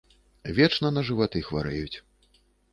Вечна на жываты хварэюць.